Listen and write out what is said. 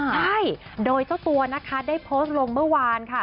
ใช่โดยเจ้าตัวนะคะได้โพสต์ลงเมื่อวานค่ะ